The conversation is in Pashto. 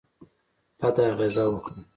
بده اغېزه وکړه.